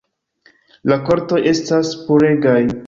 La kortoj estas puregaj.